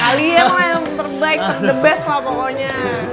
kalian emang yang terbaik ter the best lah pokoknya